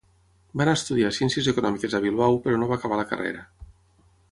Va anar a estudiar Ciències Econòmiques a Bilbao però no va acabar la carrera.